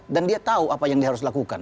dan dia tahu apa yang dia harus lakukan